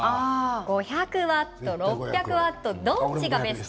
５００ワット、６００ワットどっちがベスト？